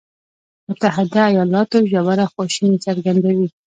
متحده ایالات ژوره خواشیني څرګندوي.